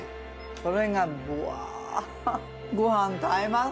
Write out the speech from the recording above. それがぶわご飯と合います。